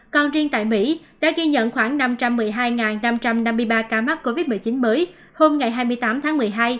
còn riêng tại mỹ đã ghi nhận khoảng năm trăm một mươi hai năm trăm năm mươi ba ca mắc covid một mươi chín mới hôm ngày hai mươi tám tháng một mươi hai